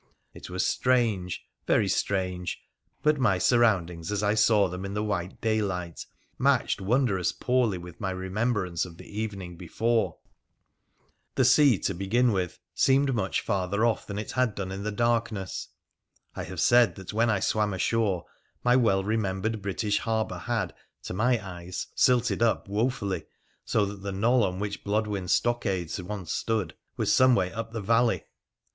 It was strange, very strange ; but my surroundings, as I saw them in the white daylight, matched wondrous poorly with my remem brance of the evening before ! The sea, to begin with, seemed much farther off than it had done in the darkness. I have said that when I swam ashore my well remembered British harbour had, to my eyes, silted up wofully, so that the knoll on which Blodwen's stockades once stood was some way up the valley.